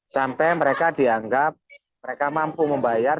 sampai mereka dianggap mereka mampu membayar